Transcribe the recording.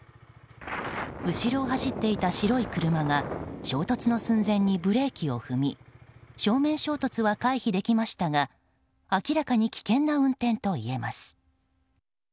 後ろを走っていた白い車が衝突の寸前にブレーキを踏み正面衝突は回避できましたが明らかに危険な運転といえます。